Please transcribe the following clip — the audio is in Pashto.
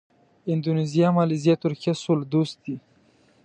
اندونیزیا، مالیزیا، ترکیه سوله دوست دي.